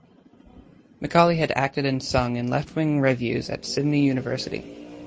McAuley had acted and sung in left-wing revues at Sydney University.